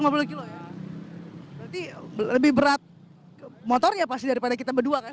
berarti lebih berat motornya pasti daripada kita berdua kan